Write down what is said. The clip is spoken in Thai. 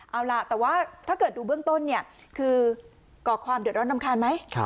เอาล่ะแต่ว่าถ้าเกิดดูเบื้องต้นเนี่ยคือก่อความเดือดร้อนรำคาญไหม